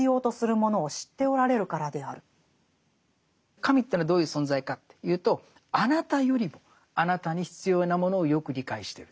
神というのはどういう存在かというとあなたよりもあなたに必要なものをよく理解してるそういう存在なんだって。